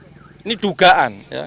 ini dalam ini dugaan